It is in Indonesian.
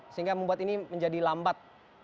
sehingga membuat ini menjadi lambat